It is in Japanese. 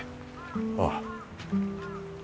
ああ。